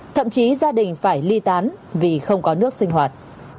thậm chí gia đình phải ly tán vì không có nước sinh hoạt